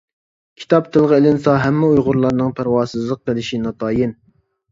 كىتاب تىلغا ئېلىنسا ھەممە ئۇيغۇرلارنىڭ پەرۋاسىزلىق قىلىشى ناتايىن.